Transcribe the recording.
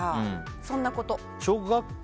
そんなこと。